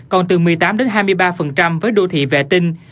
còn từ một mươi tám hai mươi ba với đô thị vệ tinh